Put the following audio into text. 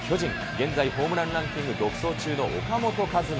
現在ホームランランキング独走中の岡本和真。